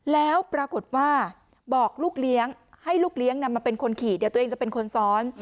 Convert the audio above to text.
แล้วปรากฏว่าบอกลูกเลี้ยงให้ลูกเลี้ยงนำมาเป็นคนขี่เดี๋ยวตัวเองจะเป็นคนซ้อน